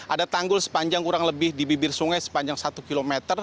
ada tanggul sepanjang kurang lebih di bibir sungai sepanjang satu km